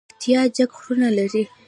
پکتیا جګ غرونه لري